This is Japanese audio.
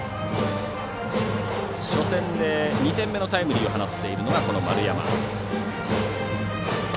初戦で２点目のタイムリーを放っているのが丸山。